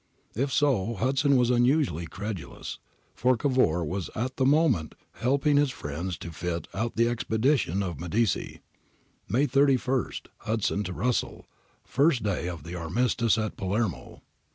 [If so, Hudson was unusually credulous, for Cavour was at that moment helping his friends to fit out the expedition of Medici,] May 31. Hudson to Russell. [First day of the armistice at Palermo.